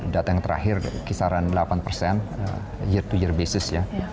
data yang terakhir kisaran delapan persen year to year basis ya